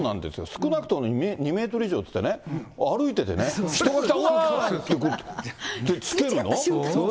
少なくとも２メートル以上っていってね、歩いててね、人が来た、着けるとか。